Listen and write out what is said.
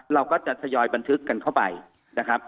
เราก็จะทยอยบันทึกกันเข้าไปนะครับ